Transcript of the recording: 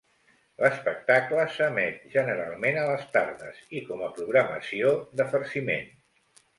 L'espectacle s'emet generalment a les tardes i com a programació de farciment.